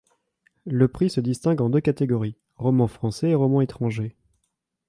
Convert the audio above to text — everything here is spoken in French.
Le prix se distingue en deux catégories, roman français et roman étranger.